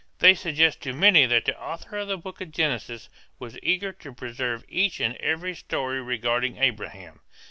They suggest to many that the author of the book of Genesis was eager to preserve each and every story regarding Abraham.